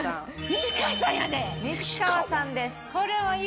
西川さんです。